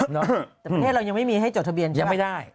แต่ประเทศเรายังไม่มีให้จดทะเบียนยังไม่ได้